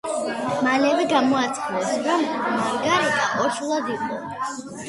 მალევე გამოაცხადეს, რომ მარგარიტა ორსულად იყო.